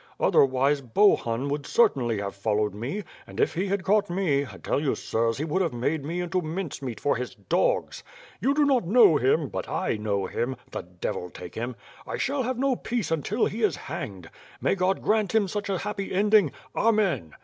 Otherwise Bohun would certainly have followed me; and, if he had caught me, I tell you, sirs, he would have made me into mincemeat for his dogs. You do not know him, but I know him, the devil take him! I shall have no peace until he is hanged. May God grant him such a happy ending, Amen!